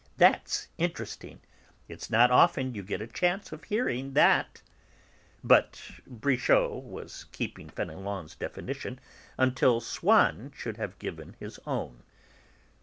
That's interesting. It's not often you get a chance of hearing that!" But Brichot was keeping Fénelon's definition until Swann should have given his own.